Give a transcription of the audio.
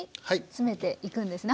詰めていくんですね。